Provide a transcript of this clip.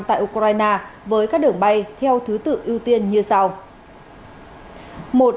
tại ukraine với các đường bay theo thứ tự ưu tiên như sau